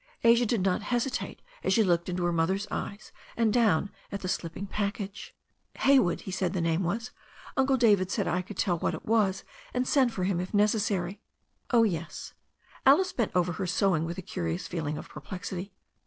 Asia did not hesitate as she looked into her mother's eyes and down at a slipping package. "Haywood; he said the name was. Uncle David said I could tell what it was, and send for him if necessary." "Oh, yes." Alice bent over her sewing with a curious feeling of perplexity.